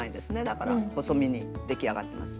だから細身に出来上がってます。